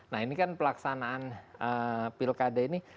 nah ini kan pelaksanaan pilkada ini